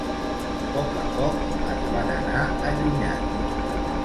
Poc a poc es van anar allunyant.